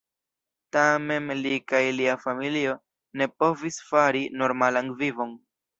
Tamen li kaj lia familio ne povis fari normalan vivon.